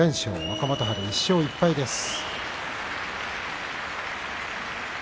若元春１勝１敗です。